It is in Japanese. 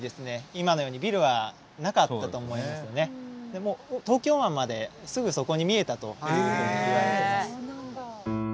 今のようにビルはなかったと思いますので東京湾まですぐそこに見えたといわれています。